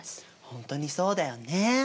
ほんとにそうだよね。